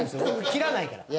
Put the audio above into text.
切らないから。